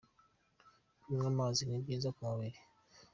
Kunywa amazi ni byiza ku mubiri.